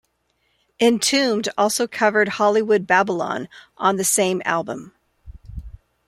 Entombed also covered "Hollywood Babylon" on the same album.